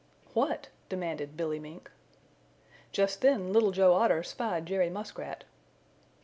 "What?" demanded Billy Mink. Just then Little Joe Otter spied Jerry Muskrat.